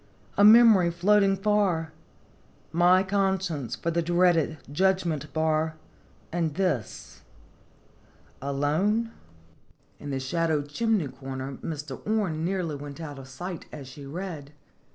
A memory floating far ; My conscience for the dreaded judgment bar ; And this alone?" In the shadowed chimney corner Mr. Orne nearly went out of sight as she read.